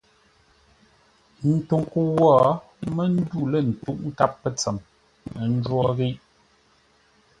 Ə́ ntó ńkə́u wó mə́ ndû lə̂ ntə́uʼ nkâp pə̂ ntsəm; ə́ njwó ghíʼ.